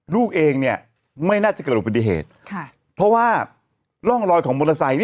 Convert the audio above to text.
ลูกเองเนี่ยไม่น่าจะเกิดอุบัติเหตุค่ะเพราะว่าร่องรอยของมอเตอร์ไซค์